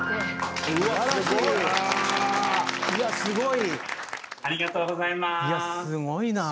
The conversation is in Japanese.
いやすごいな。